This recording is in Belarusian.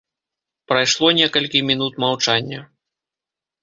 Прайшло некалькі мінут маўчання.